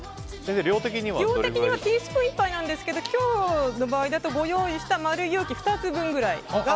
量的にはティースプーン１杯ですが今日の場合だと、ご用意した丸い容器２つ分ぐらいが。